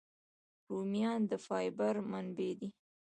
رومیان د فایبر منبع دي